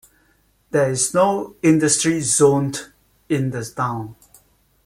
There is no industry zoned in the town.